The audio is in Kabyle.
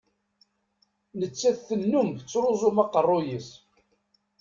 Nettat tennum ttruzum aqerruy-is.